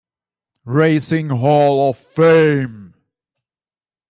Racing Hall of Fame.